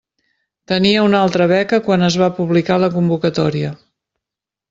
Tenia una altra beca quan es va publicar la convocatòria.